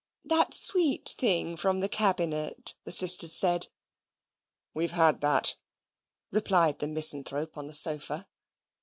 "That sweet thing from the Cabinet," the sisters said. "We've had that," replied the misanthrope on the sofa.